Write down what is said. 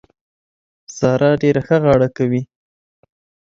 سارا ډېره ښه غاړه کوي.